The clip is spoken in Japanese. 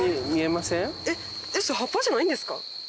それ葉っぱじゃないんですか？